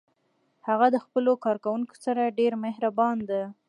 هغه د خپلو کارکوونکو سره ډیر مهربان ده